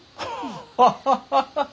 ハハハハッ！